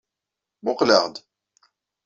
Muqqel-aɣ-d!